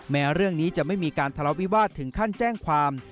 แม้เรื่องนี้จะไม่มีการทะเลาวิวาสถึงขั้นแจ้งความ